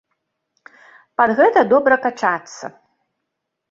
Пад гэта добра качацца.